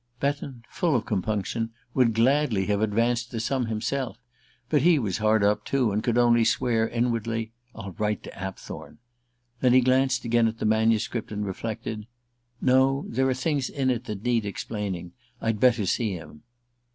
Betton, full of compunction, would gladly have advanced the sum himself; but he was hard up too, and could only swear inwardly: "I'll write to Apthorn." Then he glanced again at the manuscript, and reflected: "No there are things in it that need explaining. I'd better see him."